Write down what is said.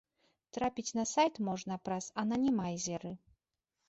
Трапіць на сайт можна праз ананімайзеры.